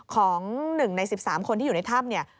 ของ๑ใน๑๓คนที่อยู่ในถ้ำ